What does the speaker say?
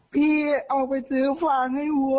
พี่เอาไปซื้อฟางให้วัว